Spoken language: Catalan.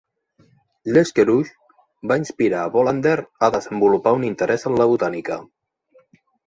Lesquereux va inspirar a Bolander a desenvolupar un interès en la botànica.